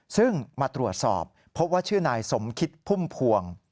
ซึ่งมาตรวจสอบพบว่าชื่อนายสมคิดพุ่มพวง